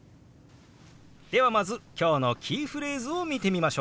ではまず今日のキーフレーズを見てみましょう。